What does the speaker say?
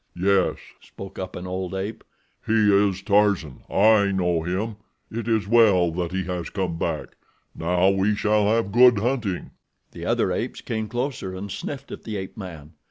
"Yes," spoke up an old ape, "he is Tarzan. I know him. It is well that he has come back. Now we shall have good hunting." The other apes came closer and sniffed at the ape man.